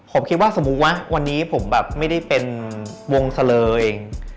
ผมคิดว่าสมมุติว่าวันนี้ผมแบบไม่ได้เป็นวงเสลอเอง